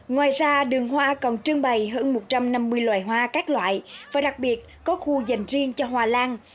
ngoài ra đường hoa còn trưng bày hơn một trăm năm mươi loài hoa các loại và đặc biệt có khu dành riêng cho hoa lan